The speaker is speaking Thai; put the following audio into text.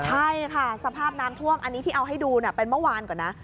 ใช่ค่ะสภาพน้ำท่วมอันนี้ที่เอาให้ดูเป็นเมื่อวานก่อนนะ